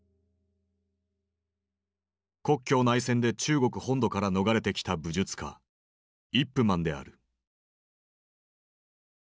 国共内戦で中国本土から逃れてきた武術家イップ・マンである。